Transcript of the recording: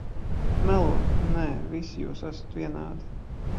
-Melo! Nē, visi jūs esat vienādi.